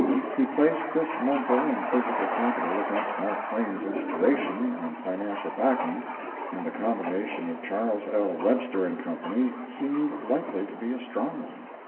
He placed this mental and physical capital against Mark Twain's inspiration and financial backing, and the combination of Charles L. Webster & Co. seemed likely to be a strong one.